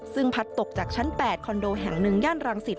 ซึ่งพัดตกจากชั้น๘คอนโดแห่ง๑ย่านรังสิต